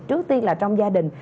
trước tiên là trong gia đình